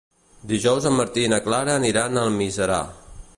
Dijous en Martí i na Clara aniran a Almiserà.